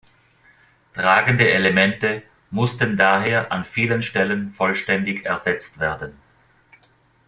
Tragende Elemente mussten daher an vielen Stellen vollständig ersetzt werden.